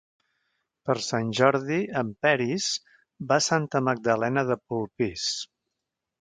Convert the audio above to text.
Per Sant Jordi en Peris va a Santa Magdalena de Polpís.